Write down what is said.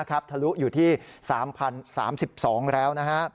ทะลุอยู่ที่๓๐๓๒ราย